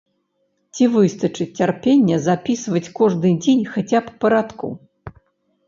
Ці выстачыць цярпення запісваць кожны дзень хаця б па радку?